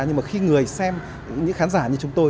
nhưng mà khi người xem những khán giả như chúng tôi